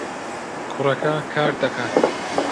کوڕەکە کار دەکات.